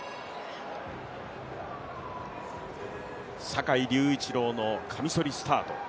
坂井隆一郎のカミソリスタート。